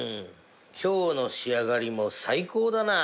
今日の仕上がりも最高だなあ。